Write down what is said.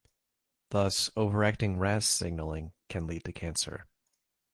Thus overacting Ras signalling can lead to cancer.